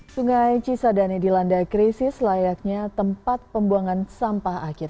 sungai cisadane dilanda krisis layaknya tempat pembuangan sampah akhir